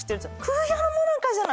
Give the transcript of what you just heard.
「空也のもなかじゃない！」